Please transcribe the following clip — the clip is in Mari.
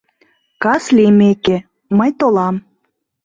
Кас лиймеке, мый толам